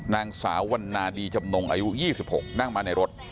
นางสาววันนาดีจำนงอายุ๒๖นั่งมาในรถ